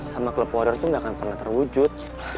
sama klub warrior tuh gak akan pernah terwujud